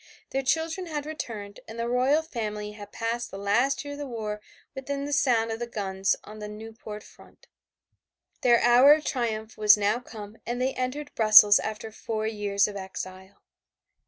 Their children had returned and the royal family had passed the last year of the war within sound of the guns on the Nieuport front. Their hour of triumph was now come and they entered Brussels after four years of exile.